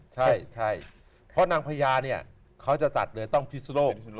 ใช่เพราะนางพญาเนี่ยเขาจะจัดเลยต้องพิศโลก